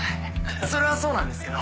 それはそうなんですけど。